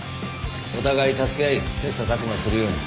お互い助け合い切磋琢磨するように。